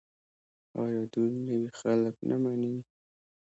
آیا دوی نوي خلک نه مني؟